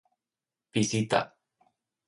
visita